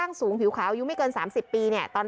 อัศวินธรรมชาติ